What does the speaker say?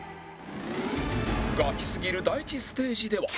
ガチすぎる第１ステージでは